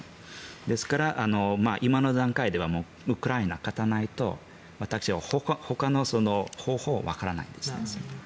ですから、今の段階ではウクライナが勝たないと私はほかの方法はわからないですね。